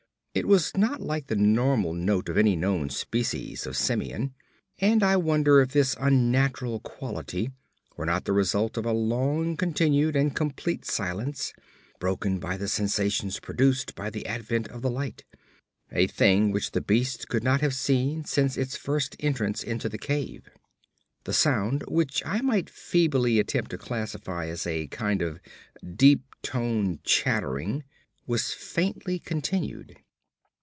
It was not like the normal note of any known species of simian, and I wonder if this unnatural quality were not the result of a long continued and complete silence, broken by the sensations produced by the advent of the light, a thing which the beast could not have seen since its first entrance into the cave. The sound, which I might feebly attempt to classify as a kind of deep tone chattering, was faintly continued.